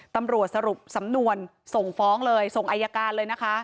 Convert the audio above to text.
ตำรวจสรุปสำนวนส่งฟ้องเลยส่งอายการเลยนะคะ